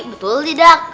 betul di dak